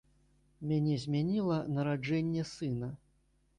Мяне змяніла нараджэнне сына.